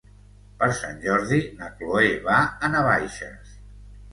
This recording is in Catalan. Per Sant Jordi na Chloé va a Navaixes.